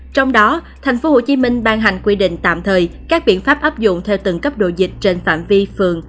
trong đó tp hcm ban hành quy định tạm thời các biện pháp áp dụng theo từng cấp độ dịch trên phạm vi phường